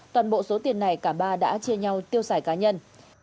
toàn bộ số tiền này cả ba đã chia nhau tiêu xài cá nhân